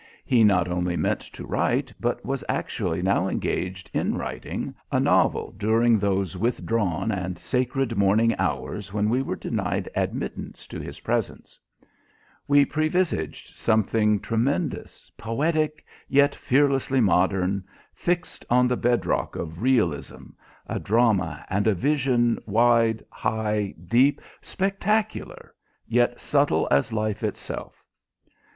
He not only meant to write, but was actually now engaged in writing, a novel during those withdrawn and sacred morning hours when we were denied admittance to his presence. We previsaged something tremendous, poetic yet fearlessly modern, fixed on the bedrock of realism, a drama and a vision wide, high, deep, spectacular yet subtle as life itself.